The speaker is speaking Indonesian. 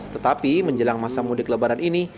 tetapi menjelang masa mudik lebaran ini